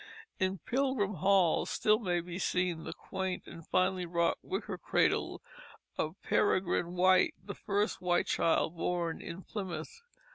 In Pilgrim Hall still may be seen the quaint and finely wrought wicker cradle of Peregrine White, the first white child born in Plymouth.